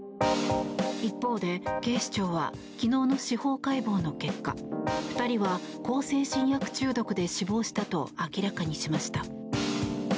一方で警視庁は昨日の司法解剖の結果２人は向精神薬中毒で死亡したと明らかにしました。